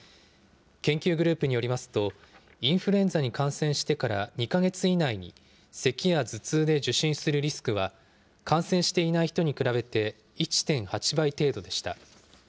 研究グループによりますと、インフルエンザに感染してから２か月以内に、せきや頭痛で受診するリスクは感染していない人に比べて１．８倍程度でした。